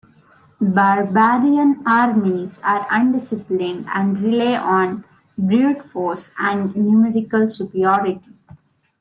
Barbarian armies are undisciplined and rely on brute force and numerical superiority.